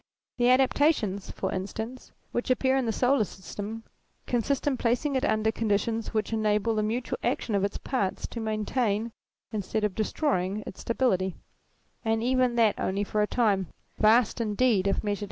The adaptations, for instance, which appear in the solar system consist in placing it under conditions which enable the mutual action of its parts to maintain instead of destroying its stability, and even that only for a time, vast indeed if measured.